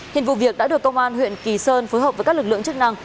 hiện vụ việc đã được công an huyện kỳ sơn phối hợp với các lực lượng chức năng